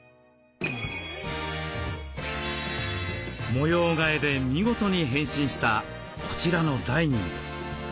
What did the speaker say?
模様替えで見事に変身したこちらのダイニング。